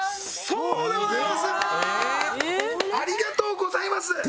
ありがとうございます。